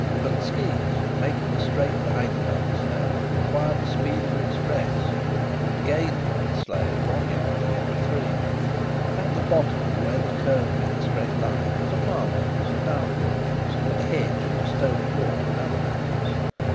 But the skis, making a straight line down the snow, acquired the speed of an express, and gained on the sleigh one yard in every three. At the bottom, where the curve met the straight line, was a farmhouse and outbuildings and a hedge and a stone wall and other matters.